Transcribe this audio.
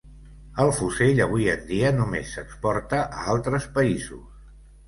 El fusell avui en dia només s’exporta a altres països.